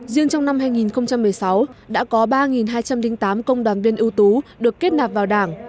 riêng trong năm hai nghìn một mươi sáu đã có ba hai trăm linh tám công đoàn viên ưu tú được kết nạp vào đảng